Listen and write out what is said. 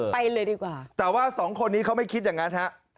ไปเลยดีกว่าแต่ว่าสองคนนี้เขาไม่คิดอย่างนั้นฮะ